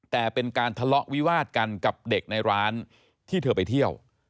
แต่เป็นการทะเลาะวิวาดกันกับเด็กในร้านที่เธอไปเที่ยว